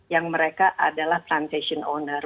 yang mereka adalah plantation owner